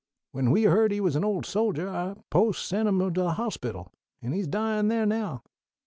When we heard he was an old soldier our Post sent him to the hospital, and he's dyin' there now.